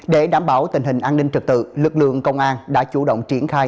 để đảm bảo tình hình an ninh trật tự lực lượng công an đã chủ động triển khai